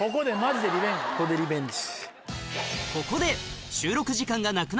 ここでリベンジ。